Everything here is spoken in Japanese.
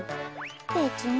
べつに。